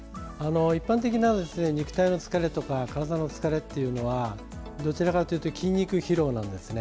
一般的な肉体の疲れや体の疲れはどちらかというと筋肉疲労なんですね。